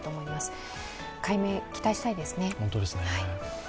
解明、期待したいですね。